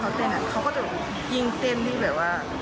เขาก็จะยิ่งเต้นที่แบบว่า